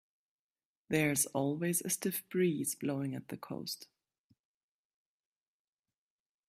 There's always a stiff breeze blowing at the coast.